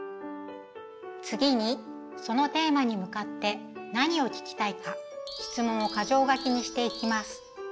次にそのテーマに向かって何を聞きたいか質問を個条書きにしていきます。